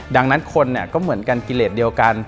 ดังนั้นคนก็เหมือนกันกิเลสเดียวกัน